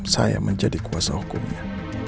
saya menjadi kuasa hukumnya